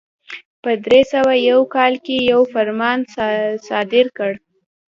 په درې سوه یو کال کې یو فرمان صادر کړ.